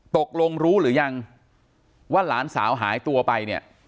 ตกลงรู้หรือยังว่าหลานสาวหายตัวไปเนี่ย